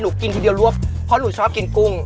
กินทีเดียวรวบเพราะหนูชอบกินกุ้ง